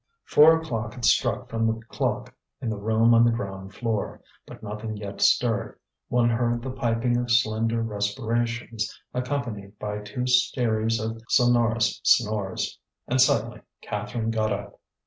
Four o'clock had struck from the clock in the room on the ground floor, but nothing yet stirred; one heard the piping of slender respirations, accompanied by two series of sonorous snores. And suddenly Catherine got up.